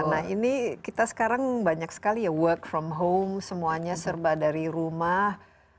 nah ini kita sekarang banyak sekali ya work from home semuanya serba dari rumah